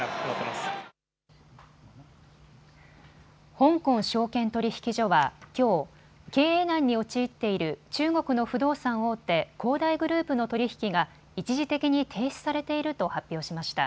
香港証券取引所はきょう、経営難に陥っている中国の不動産大手、恒大グループの取り引きが一時的に停止されていると発表しました。